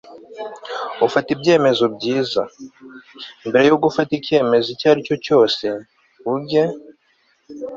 ufata ibyemezo byiza. mbere yo gufata ikemezo icyo ari cyo cyose, uge